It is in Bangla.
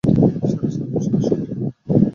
সেরা সার্জন আর সেরা সুপারহিরো।